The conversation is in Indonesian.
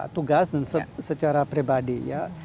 tugas dan secara pribadi ya